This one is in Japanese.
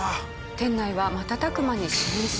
店内は瞬く間に浸水。